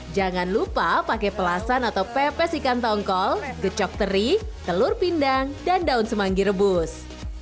jangan lupa pakai pelasan atau pepes ikan tongkol gecok teri telur pindang dan daun semanggi rebus